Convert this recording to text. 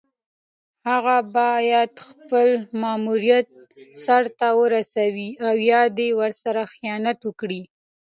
هغه باید خپل ماموریت سر ته ورسوي او یا دې ورسره خیانت وکړي.